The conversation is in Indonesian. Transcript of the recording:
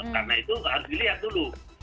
karena itu harus dilihat dulu